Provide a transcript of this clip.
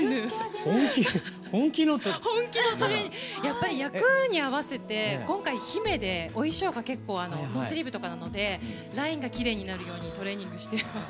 やっぱり役に合わせて今回姫でお衣装が結構ノースリーブとかなのでラインがきれいになるようにトレーニングしてます。